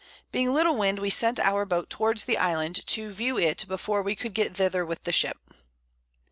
Being little Wind we sent our Boat towards the Island, to view it before we could get thither with the Ship.